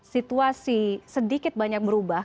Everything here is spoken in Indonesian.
situasi sedikit banyak berubah